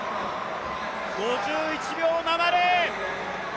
５１秒７０！